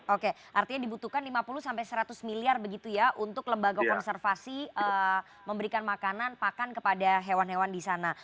oke artinya dibutuhkan lima puluh sampai seratus miliar begitu ya untuk lembaga konservasi memberikan makanan pakan kepada hewan hewan di sana